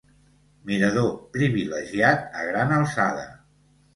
Mirador privilegiat a gran alçada.